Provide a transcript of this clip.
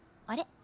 あれ？